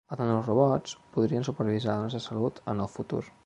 Els nanorobots podrien supervisar la nostra salut en el futur.